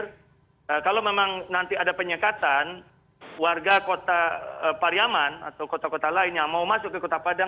jadi kalau memang nanti ada penyekatan warga kota pariaman atau kota kota lain yang mau masuk ke kota padang